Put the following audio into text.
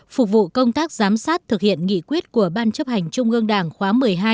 phục vụ công tác giám sát thực hiện nghị quyết của ban chấp hành trung ương đảng khóa một mươi hai